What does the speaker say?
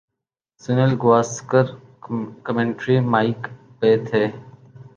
Sunil Gavaskar commentary mic پہ تھے۔